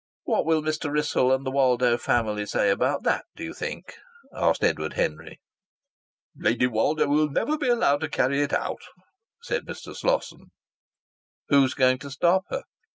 "What will Mr. Wrissell and the Woldo family say about that, do you think?" asked Edward Henry. "Lady Woldo will never be allowed to carry it out," said Mr. Slosson. "Who's going to stop her?